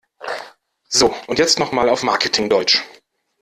So, und jetzt noch mal auf Marketing-Deutsch!